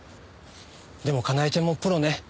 でもかなえちゃんもプロね。